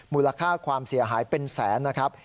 มูลค่าความเสียหายเป็นแสนนะครับ